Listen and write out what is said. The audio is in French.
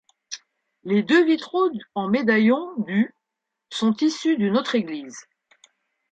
Les deux vitraux en médaillon du sont issus d'une autre église.